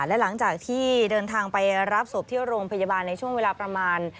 และหลังจากที่เดินทางไปรับศพที่โรงพยาบาลในช่วงเวลาประมาณ